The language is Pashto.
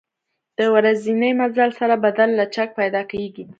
د ورځني مزل سره بدن لچک پیدا کېږي.